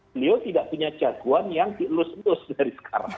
beliau tidak punya jagoan yang dielus elus dari sekarang